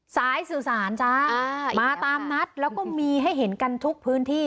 สายสื่อสารจ้ามาตามนัดแล้วก็มีให้เห็นกันทุกพื้นที่